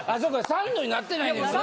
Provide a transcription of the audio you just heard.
サンドになってないねんな。